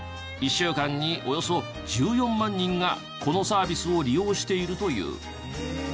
週間におよそ１４万人がこのサービスを利用しているという。